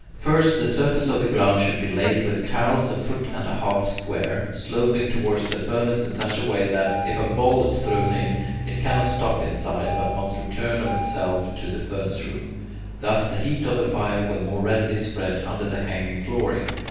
First the surface of the ground should be laid with tiles a foot and a half square, sloping towards the furnace in such a way that, if a ball is thrown in, it cannot stop inside but must return of itself to the furnace room; thus the heat of the fire will more readily spread under the hanging flooring.